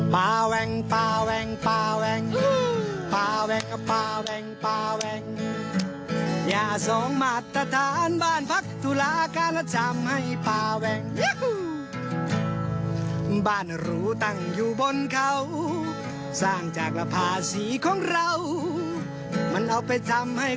เป็นบรรยามุนไวทรี่ควายใหม่สรุปของเพเวโนตรมารละเปล่า